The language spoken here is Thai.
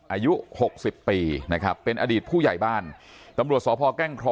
อายุหกสิบปีนะครับเป็นอดีตผู้ใหญ่บ้านตำรวจสพแก้งคลอ